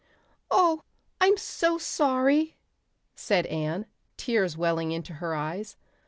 "Oh, I'm so sorry," said Anne, tears welling into her eyes.